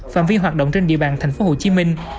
phạm vi hoạt động trên địa bàn tp hcm